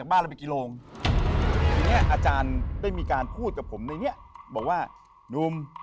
วันรอยกะทง